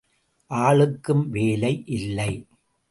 ஆளுக்கும் வேலை இல்லை!